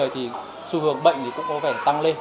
thì xu hướng bệnh thì cũng có vẻ tăng lên